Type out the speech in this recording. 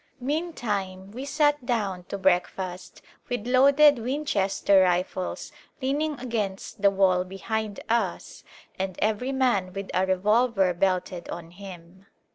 Meantime we sat down to breakfast with loaded Winchester rifles leaning against the wall behind us, and every man with a revolver belted on him.